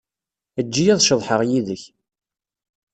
Eǧǧ-iyi ad ceḍḥeɣ yid-k.